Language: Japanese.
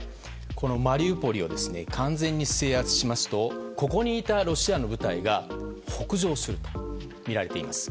マリウポリを完全に制圧しますとここにいたロシアの部隊が北上するとみられています。